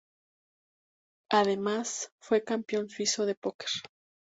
Además, fue campeón suizo de poker.